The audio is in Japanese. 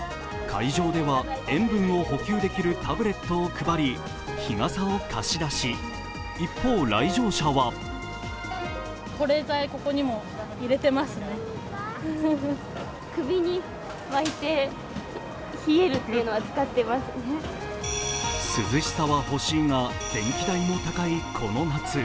会場では塩分を補給できるタブレットを配り、日傘を貸し出し、一方来場者は涼しさはほしいが電気代も高いこの夏。